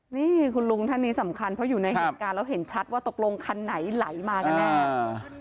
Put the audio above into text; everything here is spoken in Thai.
นี่คุณลุงท่านนี้สำคัญเพราะอยู่ในเหตุการณ์แล้วเห็นชัดว่าตกลงคันไหนไหลมากันแน่อ่า